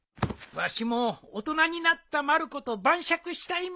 わしも大人になったまる子と晩酌したいもんじゃ。